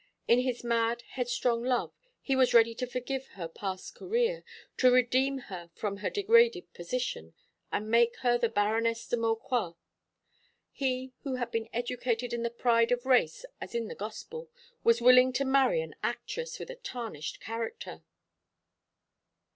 In his mad, headstrong love he was ready to forgive her past career, to redeem her from her degraded position, and make her the Baroness de Maucroix. He, who had been educated in the pride of race as in the gospel, was willing to marry an actress with a tarnished character!"